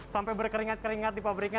sampai berkeringat keringat di pabriknya